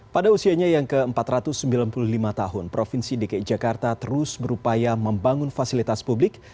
pada usianya yang ke empat ratus sembilan puluh lima tahun provinsi dki jakarta terus berupaya membangun fasilitas publik